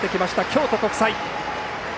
京都国際。